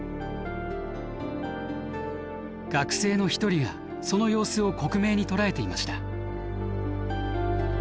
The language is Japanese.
学生の一人がその様子を克明に捉えていました。